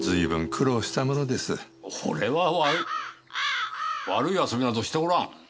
俺は悪い悪い遊びなどしておらん。